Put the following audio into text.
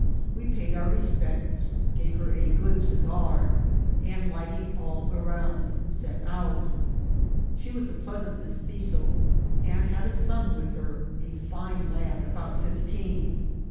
We. paid our respects, gave her a good cigar, and, lighting all around, set out. She was a pleasant Mestitzo, and had a son with her, a fine lad about fifteen.